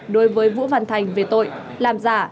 đối với vũ văn thành về tội làm giả